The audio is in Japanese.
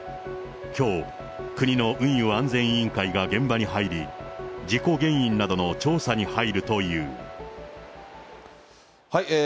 きょう、国の運輸安全委員会が現場に入り、事故原因などの調査に入るという。